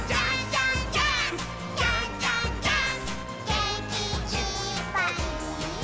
「げんきいっぱいもっと」